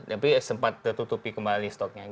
tapi sempat tertutupi kembali stoknya